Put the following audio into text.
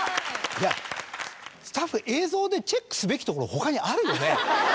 ・いやスタッフ映像でチェックすべきところ他にあるよね。